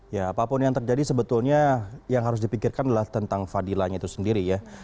ya apapun yang terjadi sebetulnya yang harus dipikirkan adalah tentang fadilanya itu sendiri ya